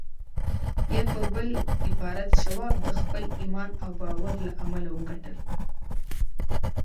يا په بل عبارت شواب د خپل ايمان او باور له امله وګټل.